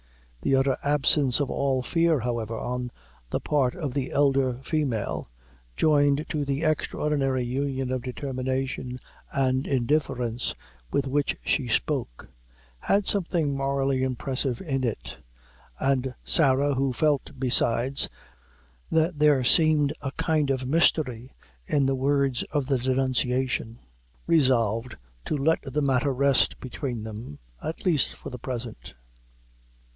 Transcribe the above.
The utter absence of all fear, however, on the part of the elder female, joined to the extraordinary union of determination and indifference with which she spoke, had something morally impressive in it; and Sarah, who felt, besides, that there seemed a kind of mystery in the words of the denunciation, resolved to let the matter rest between them, at least for the present.